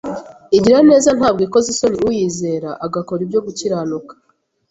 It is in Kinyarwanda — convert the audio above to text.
igira neza ntabwo ikoza isoni uyizera agakora ibyo gukiranuka